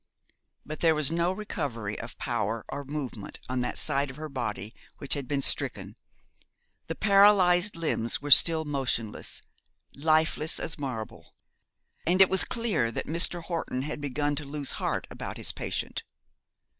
But there was no recovery of power or movement on that side of the body which had been stricken. The paralysed limbs were still motionless, lifeless as marble; and it was clear that Mr. Horton had begun to lose heart about his patient.